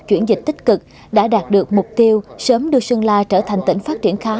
chuyển dịch tích cực đã đạt được mục tiêu sớm đưa sơn la trở thành tỉnh phát triển khá